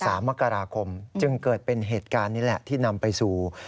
สามมกราคมจึงเกิดเป็นเหตุการณ์นี้แหละที่นำไปสู่